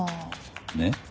ねっ？